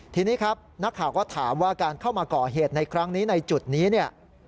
ทีนี้นะครัวก็ถามว่าการเข้ามาเกาะเหตุในครั้งนี้ในจุดนี้